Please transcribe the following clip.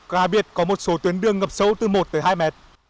ra biệt có một số tuyến đường ngập sâu từ một tới hai m